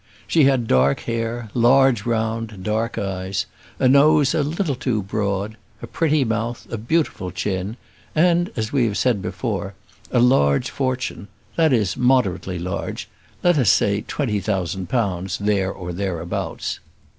She had dark hair, large round dark eyes, a nose a little too broad, a pretty mouth, a beautiful chin, and, as we have said before, a large fortune; that is, moderately large let us say twenty thousand pounds, there or thereabouts.